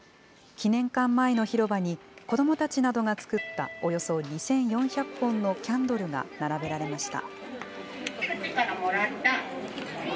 記念館前の広場に、子どもたちなどが作ったおよそ２４００本のキャンドルが並べられました。